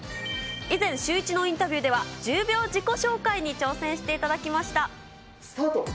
以前、シューイチのインタビューでは、１０秒自己紹介に挑戦してスタート。